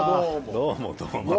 どうもどうも。